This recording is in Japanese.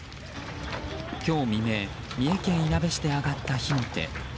今日未明、三重県いなべ市で上がった火の手。